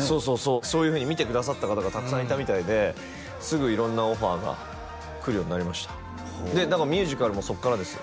そうそうそうそういうふうに見てくださった方たくさんいたみたいですぐ色んなオファーが来るようになりましたでだからミュージカルもそっからです